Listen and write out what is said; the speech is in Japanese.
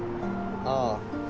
ああ。